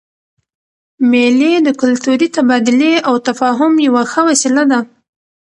مېلې د کلتوري تبادلې او تفاهم یوه ښه وسیله ده.